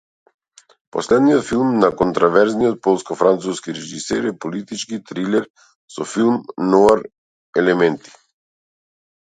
Последниот филм на контроверзниот полско-француски режисер е политички трилер со филм ноар елементи.